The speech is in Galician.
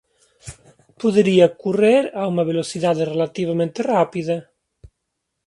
Podería correr a unha velocidade relativamente rápida.